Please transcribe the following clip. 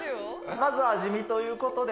まずは味見ということで。